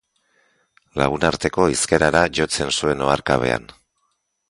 Lagunarteko hizkerara jotzen zuen oharkabean.